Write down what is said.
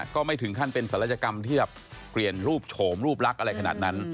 ก็ไม่ถึงขั้นเป็นศัลยกรรมที่แบบเปลี่ยนรูปโฉมรูปลักษณ์อะไรขนาดนั้น